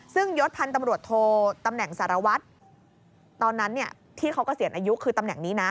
ซึ่งยศพันธ์ตำรวจโทตำแหน่งสารวัตรตอนนั้นที่เขาเกษียณอายุคือตำแหน่งนี้นะ